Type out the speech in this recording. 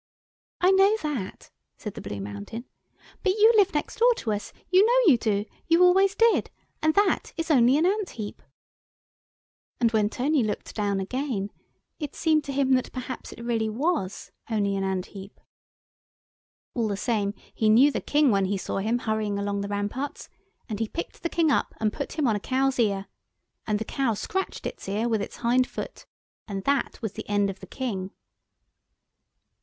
"I know that," said the Blue Mountain, "but you live next door to us, you know you do, you always did, and that is only an ant heap." And when Tony looked down again it seemed to him that perhaps it really was only an ant heap. All the same he knew the King when he saw him hurrying along the ramparts, and he picked the King up and put him on a cow's ear. And the cow scratched its ear with its hind foot. And that was the end of the King.